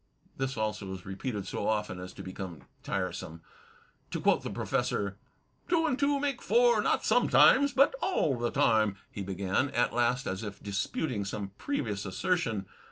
This also is repeated so often as to become tiresome. To quote the Professor: "Two and two make four, not sometimes^ but aU the time," he began, at last as if disputing some previous assertion.